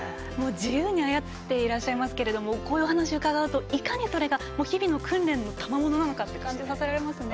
自由に操っていらっしゃいますがこういう話を聞くといかにそれが日々の訓練のたまものなのかという感じがありますね。